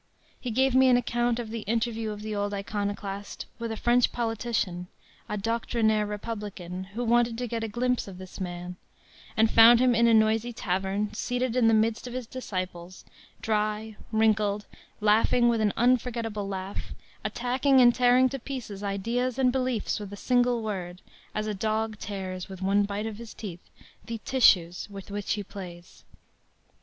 He gave me an account of the interview of the old iconoclast with a French politician, a doctrinaire Republican, who wanted to get a glimpse of this man, and found him in a noisy tavern, seated in the midst of his disciples, dry, wrinkled, laughing with an unforgettable laugh, attacking and tearing to pieces ideas and beliefs with a single word, as a dog tears with one bite of his teeth the tissues with which he plays.